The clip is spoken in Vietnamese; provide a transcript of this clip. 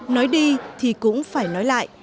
nói đi thì cũng phải nói lại